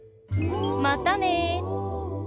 またね！